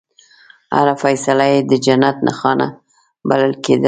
هره فیصله یې د جنت نښانه بلل کېدله.